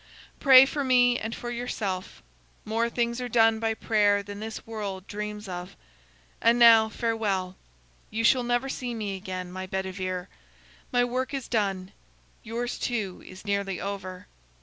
Pray for me and for yourself. More things are done by prayer than this world dreams of. And now, farewell! You shall never see me again, my Bedivere. My work is done; yours, too, is nearly over.